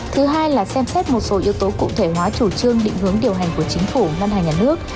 thứ hai là xem xét một số yếu tố cụ thể hóa chủ trương định hướng điều hành của chính phủ ngân hàng nhà nước